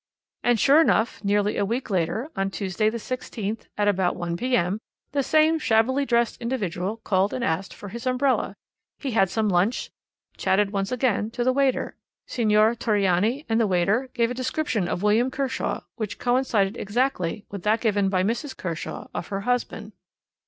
And sure enough nearly a week later, on Tuesday, the 16th, at about 1 p.m., the same shabbily dressed individual called and asked for his umbrella. He had some lunch, and chatted once again to the waiter. Signor Torriani and the waiter gave a description of William Kershaw, which coincided exactly with that given by Mrs. Kershaw of her husband.